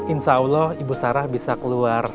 insya allah ibu sarah bisa keluar